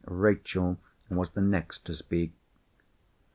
Rachel was the next to speak.